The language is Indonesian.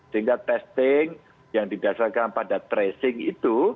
sehingga testing yang didasarkan pada tracing itu